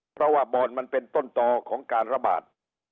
เพราะว่าบ่อนมันเป็นต้นต่อของการระบาด